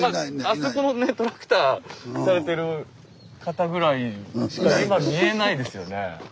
あそこのねトラクターされてる方ぐらいしか今見えないですよね。